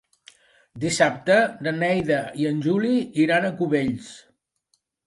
Dissabte na Neida i en Juli iran a Cubells.